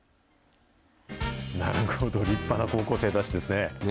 なるほど、立派な高校生たちですね。